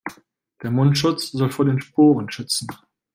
Der Mundschutz soll vor den Sporen schützen.